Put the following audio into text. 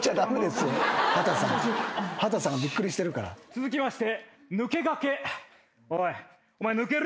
続きまして。